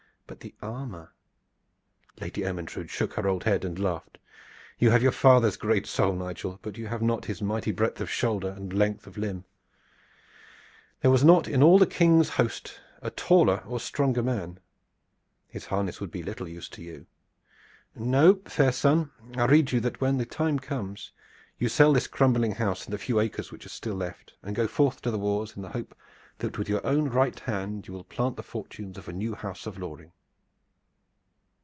But the armor " Lady Ermyntrude shook her old head and laughed. "You have your father's great soul, Nigel, but you have not his mighty breadth of shoulder and length of limb. There was not in all the King's great host a taller or a stronger man. His harness would be little use to you. No, fair son, I rede you that when the time comes you sell this crumbling house and the few acres which are still left, and so go forth to the wars in the hope that with your own right hand you will plant the fortunes of a new house of Loring."